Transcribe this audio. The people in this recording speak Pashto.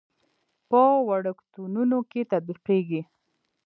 په وړکتونونو کې تطبیقېږي.